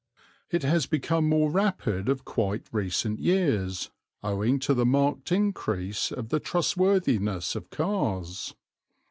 It has become more rapid of quite recent years owing to the marked increase of the trustworthiness of cars.